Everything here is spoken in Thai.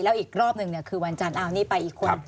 แล้วอีกรอบหนึ่งคือวันจันทร์อ้าวนี่ไปอีกคน